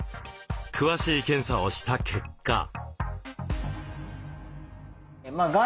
詳しい検査をした結果。